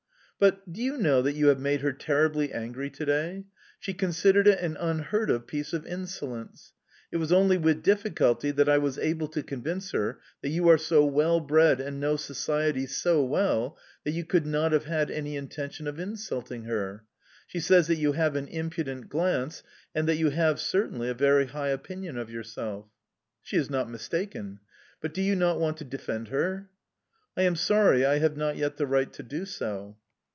"But, do you know that you have made her terribly angry to day? She considered it an unheard of piece of insolence. It was only with difficulty that I was able to convince her that you are so well bred and know society so well that you could not have had any intention of insulting her. She says that you have an impudent glance, and that you have certainly a very high opinion of yourself." "She is not mistaken... But do you not want to defend her?" "I am sorry I have not yet the right to do so"...